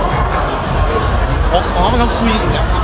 ข้าก็ต้องคุยกันนะครับ